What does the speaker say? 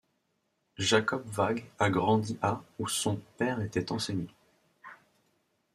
Jakob Vaage a grandi à où son père était enseignant.